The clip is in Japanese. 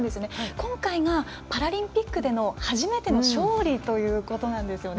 今回がパラリンピックでの初めての勝利ということなんですよね。